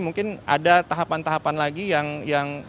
mungkin ada tahapan tahapan lainnya